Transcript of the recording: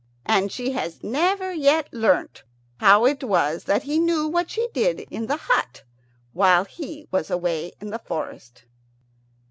And she has never yet learnt how it was that he knew what she did in the hut while he was away in the forest.